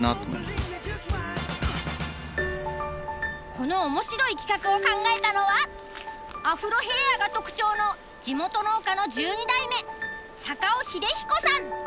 この面白い企画を考えたのはアフロヘアーが特徴の地元農家の１２代目坂尾英彦さん。